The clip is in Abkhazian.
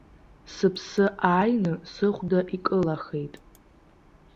Сыԥсы ааины сыхәда икылахеит.